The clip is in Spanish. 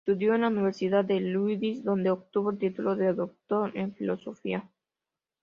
Estudió en la universidad de Lviv dónde obtuvo el título de Doctor en Filosofía.